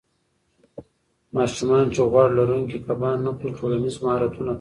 ماشومان چې غوړ لرونکي کبان نه خوري، ټولنیز مهارتونه کم وي.